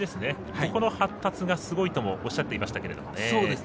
ここの発達がすごいとおっしゃってましたけど。